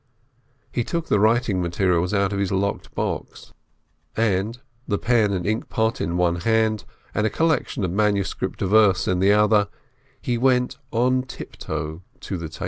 He took the writing materials out of his locked box, and, the pen and ink pot in one hand and a collection of manuscript verse in the other, he went on tiptoe to the table.